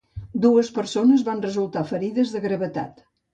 Dues persones van resultar ferides de gravetat.